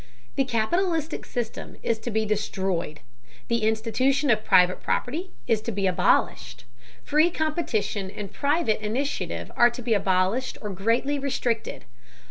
The capitalistic system is to be destroyed. The institution of private property is to be abolished. Free competition and private initiative are to be abolished or greatly restricted.